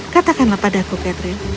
katakanlah padaku catherine